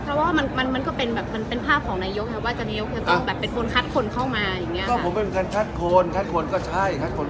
เพราะว่ามันก็เป็นภาพของนายยกว่านายยกจะต้องเป็นคนคัดคนเข้ามาอย่างเนี่ย